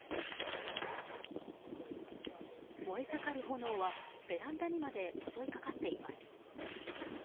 燃え盛る炎は、ベランダにまで襲いかかっています。